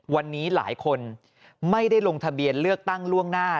วันนี้หลายคนไม่ได้ลงทะเบียนเลือกตั้งล่วงหน้า